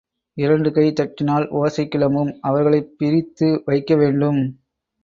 இரண்டு கை தட்டினால் ஓசை கிளம்பும் அவர்களைப் பிரித்து வைக்க வேண்டும்.